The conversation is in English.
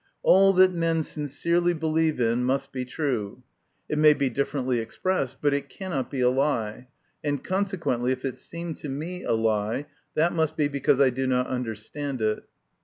All that men sincerely believe in must be true ; it may be differently expressed, but it cannot be a lie, and consequently, if it seem to me a lie, that must be because I do not understand it.